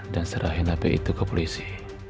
dan serahin hp itu ke polisi